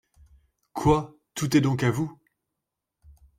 Quoi! tout est donc à vous !